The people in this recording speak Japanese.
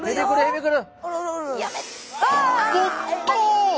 おっと！